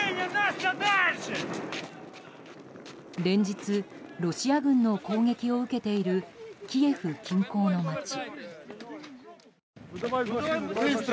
ＪＴ連日、ロシア軍の攻撃を受けているキエフ近郊の街。